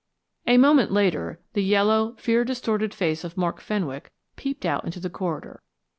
A moment later the yellow, fear distorted face of Mark Fenwick peeped out into the corridor.